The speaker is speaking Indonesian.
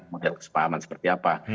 model kesepahaman seperti apa